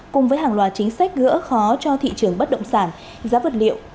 cùng với hàng loạt chính sách gỡ khó cho thị trường bất động sản giá vật liệu